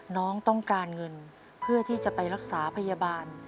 น้องต้องการเงินเพื่อที่จะไปรักษาพยาบาล